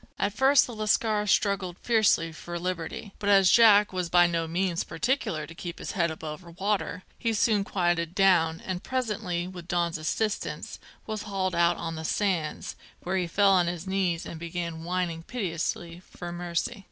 At first the lascar struggled fiercely for liberty; but as Jack was by no means particular to keep his head above water, he soon quieted down, and presently, with Dons assistance, was hauled out on the sands, where he fell on his knees and began whining piteously for mercy.